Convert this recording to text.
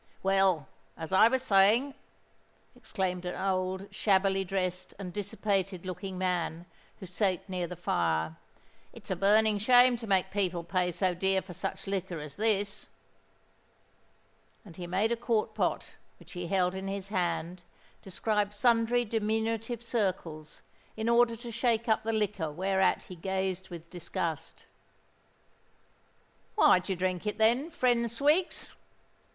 "Well, as I was saying," exclaimed an old shabbily dressed and dissipated looking man, who sate near the fire, "it's a burning shame to make people pay so dear for such liquor as this;"—and he made a quart pot, which he held in his hand, describe sundry diminutive circles, in order to shake up the liquor whereat he gazed with disgust. "Why do you drink it, then, friend Swiggs?"